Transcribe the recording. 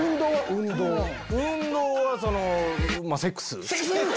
運動はまぁセックス。